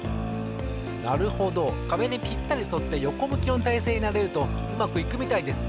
なるほどかべにぴったりそってよこむきのたいせいになれるとうまくいくみたいです。